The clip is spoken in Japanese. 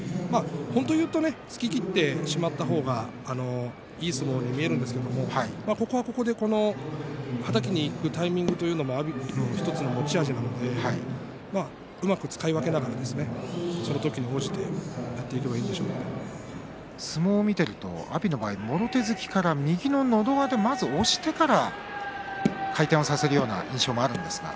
本当を言うと突ききってしまった方がいい相撲に見えるんですけれどここはここで、はたきにいくタイミングというのが阿炎の１つの持ち味なのでうまく使い分けながらその時に応じてやっていけば相撲を見ていると阿炎はもろ手突きから右ののど輪でまず押してから回転をさせるような印象があるんですが。